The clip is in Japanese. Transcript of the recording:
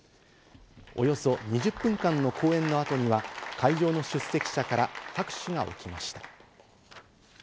およそ２０分間の講演の後には会場の出席者から拍手が起きました。